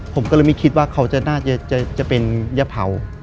ผมก็เลยไม่คิดว่าเขาน่าจะเป็นยะเผา